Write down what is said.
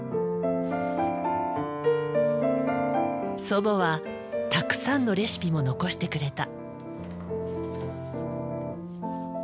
祖母はたくさんのレシピも残してくれた。